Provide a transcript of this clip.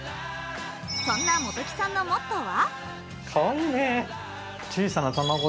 そんな本木さんのモットーは？